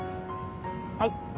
はい。